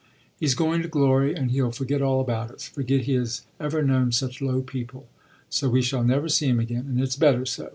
"He's going to glory and he'll forget all about us forget he has ever known such low people. So we shall never see him again, and it's better so.